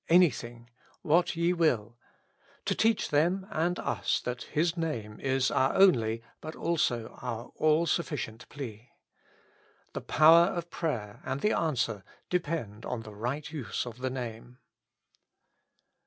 '''' ''Anything,''' " What ye zuill,^' to teach them and us that His Name is our only, but also our all sufficient plea. The power of prayer and the answer depend on the right use of the Name.